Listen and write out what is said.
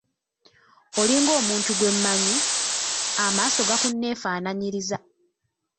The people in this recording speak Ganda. Olinga omuntu gwe mmanyi, amaaso gakunneefaanaanyirizza.